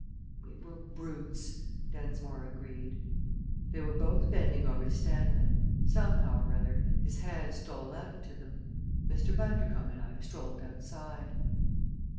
"We were brutes!" Densmore agreed. They were both bending over Stanley. Somehow or other his hands stole out to them. Mr. Bundercombe and I strolled outside.